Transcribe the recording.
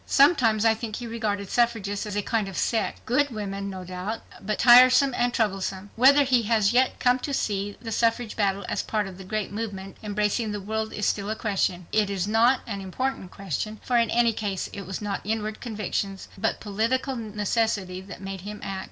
Sometimes I think he regarded suffragists as a kind of sect good women, no doubt, but tiresome and troublesome. Whether he has yet come to see the suffrage battle as part of a great movement embracing the world is still a question. It is not an important question, for in any case it was not inward conviction but political necessity that made him act.